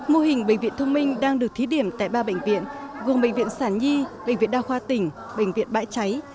mô hình bệnh viện thông minh đang được thí điểm tại ba bệnh viện gồm bệnh viện sản nhi bệnh viện đa khoa tỉnh bệnh viện bãi cháy